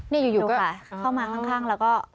นี่อยู่ก็อ้าวดูค่ะเข้ามาข้างแล้วก็